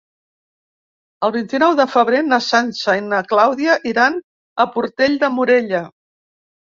El vint-i-nou de febrer na Sança i na Clàudia iran a Portell de Morella.